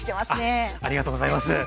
ありがとうございます。